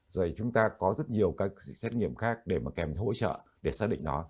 rồi chúng ta có rất nhiều các xét nghiệm khác để mà kèm hỗ trợ để xác định nó